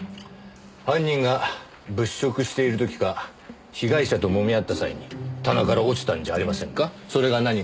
犯人が物色している時か被害者ともみ合った際に棚から落ちたんじゃありませんか？